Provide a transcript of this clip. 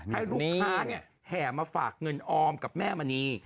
ให้ลูกค้าแห่มาฝากเงินออมกับแม่มณี